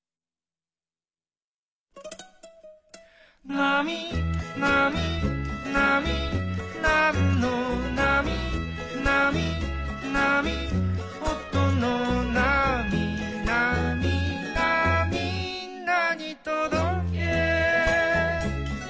「なみなみなみなんのなみ」「なみなみおとのなみ」「なみなみんなにとどけ！」